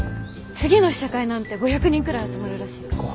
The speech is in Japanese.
次の試写会なんて５００人くらい集まるらしいから。